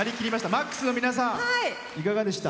ＭＡＸの皆さん、いかがでした？